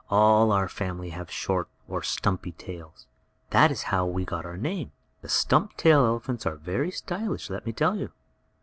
"All our family have short, or stumpy tails. That is how we get our name. The Stumptail elephants are very stylish, let me tell you."